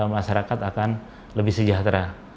masyarakat akan lebih sejahtera